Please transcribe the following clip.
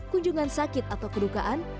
kunjungan sakit atau kedukaan